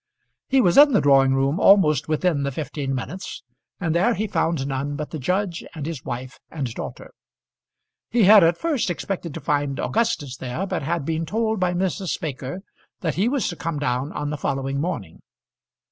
He was in the drawing room almost within the fifteen minutes, and there he found none but the judge and his wife and daughter. He had at first expected to find Augustus there, but had been told by Mrs. Baker that he was to come down on the following morning.